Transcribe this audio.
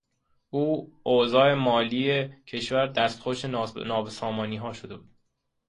اوضاع مالیهی کشور دستخوش نابسامانی شده بود.